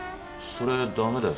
それダメだよ。